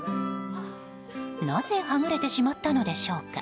なぜはぐれてしまったのでしょうか。